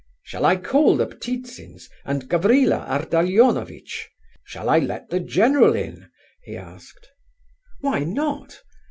"Shall I call the Ptitsins, and Gavrila Ardalionovitch? Shall I let the general in?" he asked. "Why not?